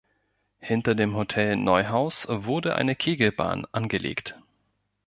Hinter dem "Hotel Neuhaus" wurde eine Kegelbahn angelegt.